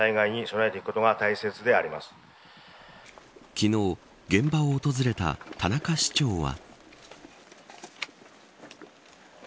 昨日、現場を訪れた田中市長は。